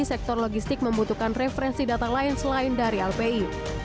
sektor logistik membutuhkan referensi data lain selain dari lpi